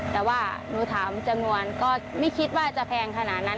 แต่ว่าหนูถามจำนวนก็ไม่คิดว่าจะแพงขนาดนั้น